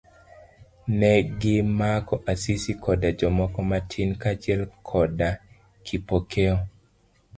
Negimako Asisi koda jomoko matin kaachiel koda Kipokeo.